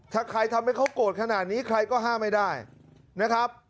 ถ้าใครทำให้เขาโกรธขนาดนี้ใครก็ห้ามไม่ได้นะครับ